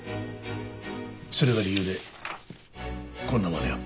それが理由でこんなまねを？